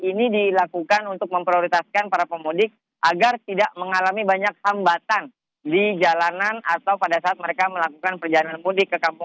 ini dilakukan untuk memprioritaskan para pemudik agar tidak mengalami banyak hambatan di jalanan atau pada saat mereka melakukan perjalanan mudik ke kampung